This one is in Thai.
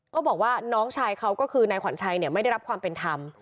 บอกว่าน้องชายเขาก็คือนายขวัญชัยไม่ได้รับความเป็นธรรม